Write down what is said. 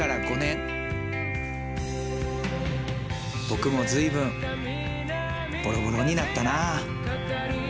僕も随分ボロボロになったなあ。